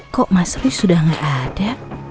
kok mas rui sudah gak ada